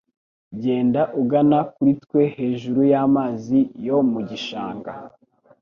genda ugana kuri twe hejuru y'amazi yo mu gishanga